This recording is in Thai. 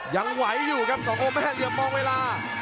ยังไหวอยู่ครับสององค์แม่เหลี่ยมมองเวลา